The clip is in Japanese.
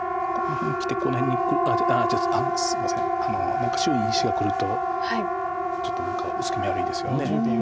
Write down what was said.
何か周囲に石がくるとちょっと何か薄気味悪いですよね。